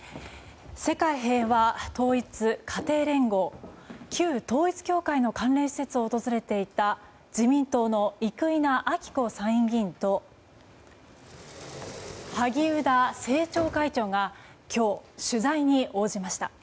世界平和統一家庭連合旧統一教会の関連施設を訪れていた自民党の生稲晃子参院議員と萩生田政調会長が今日、取材に応じました。